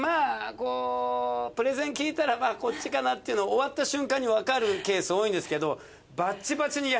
こうプレゼン聞いたらまあこっちかなっていうの終わった瞬間にわかるケース多いんですけど。